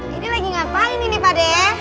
ini lagi ngapain ini pak de